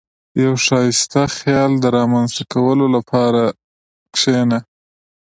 • د یو ښایسته خیال د رامنځته کولو لپاره کښېنه.